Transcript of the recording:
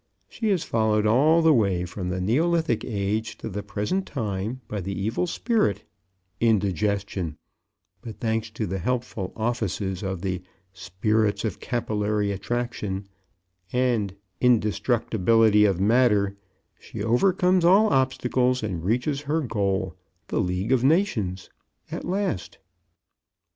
She is followed all the way from the Neolithic Age to the Present Time by the evil spirit, Indigestion, but, thanks to the helpful offices of the Spirits of Capillary Attraction, and Indestructibility of Matter, she overcomes all obstacles and reaches her goal, The League of Nations, at last.